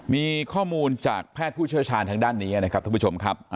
มีข้อมูลจากแพทย์ผู้เชี่ยวชาญทางด้านนี้นะครับท่านผู้ชมครับ